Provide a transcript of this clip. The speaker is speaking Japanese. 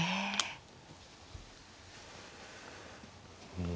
うん。